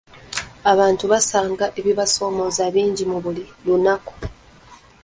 Abantu basanga ebibasoomooza bingi buli lunaku.